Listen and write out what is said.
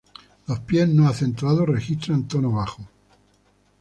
Los pies no acentuados registran tono bajo.